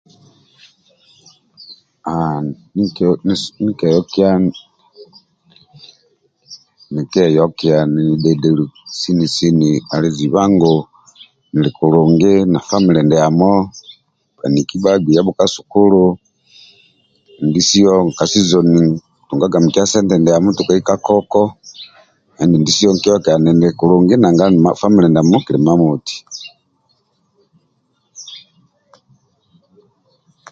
Nikieyokia nini dhedhelu sini sini ali ziba ngu nili kulungi na famile ndiamo bhaniki bagbei yabho ka sukulu endindisio ka sizoni nikitunga nkia sente ndiamo tukai ka koko endindisio nkieyokia ninili kulungi nanga famile ndiamo kili imamoti